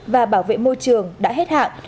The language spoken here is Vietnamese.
và bảo vệ môi trường đã hết hạng